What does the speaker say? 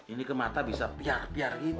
ini ke mata bisa piar piar gitu